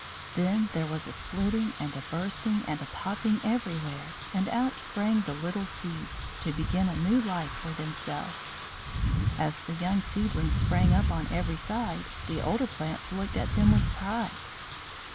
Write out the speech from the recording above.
Then there was a splitting and a bursting and a popping everywhere, and out sprang the little seeds, to begin a new life for themselves. As the young seedlings sprang up on every side, the older plants looked at them with pride.